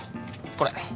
これ。